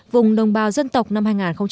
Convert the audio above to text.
vùng đồng bào dân tộc năm hai nghìn một mươi bảy